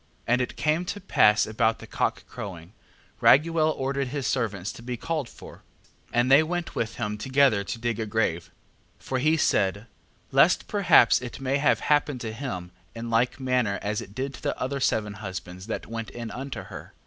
And it came to pass about the cockcrowing, Raguel ordered his servants to be called for, and they went with him together to dig a grave. 8:12. For he said: Lest perhaps it may have happened to him, in like manner as it did to the other seven husbands, that went in unto her. 8:13.